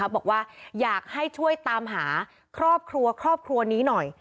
บอกว่าอยากให้ช่วยตามหาครอบครัวครอบครัวนี้หน่อย